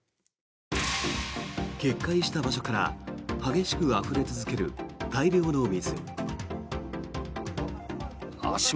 決壊した場所から激しくあふれ続ける大量の水。